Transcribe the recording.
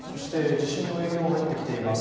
地震の影響が入ってきています。